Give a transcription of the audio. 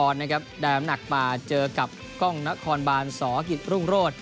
ได้อำนั้นป่าเจอกับข้องนครบ่านสคิดโรงโฆษ